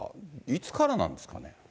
いつからなんですかね。